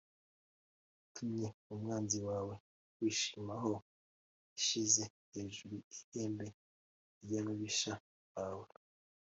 Yatumye umwanzi wawe akwishimaho, Yashyize hejuru ihembe ry’ababisha bawe.